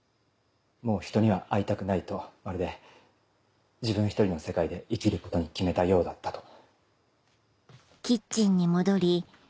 「もう人には会いたくない」とまるで自分一人の世界で生きることに決めたようだったと。